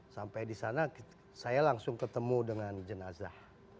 sampai di sana saya langsung ketemu dengan jenazah